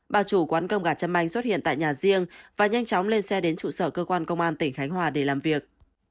bà chủ quán cơm gà châm anh xuất hiện tại nhà riêng và nhanh chóng lên xe đến trụ sở cơ quan công an tỉnh khánh hòa để làm việc